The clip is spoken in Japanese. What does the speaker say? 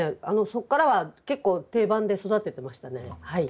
そこからは結構定番で育ててましたねはい。